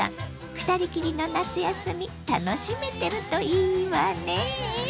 ２人きりの夏休み楽しめてるといいわね。